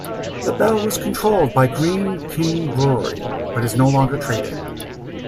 The Bell was controlled by Greene King Brewery but is no longer trading.